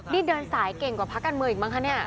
นี่เดินสายเก่งกว่าพักการเมืองอีกมั้งคะเนี่ย